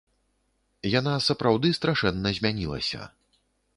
Яна сапраўды страшэнна змянілася.